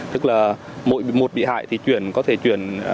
tức là mỗi một bị hại thì chuyển có thể chuyển một trăm linh hai trăm linh